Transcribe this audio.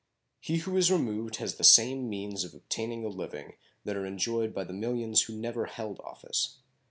He who is removed has the same means of obtaining a living that are enjoyed by the millions who never held office.